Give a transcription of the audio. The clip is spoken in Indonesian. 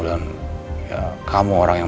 dan kamu orang yang